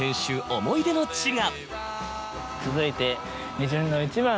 思い出の地が。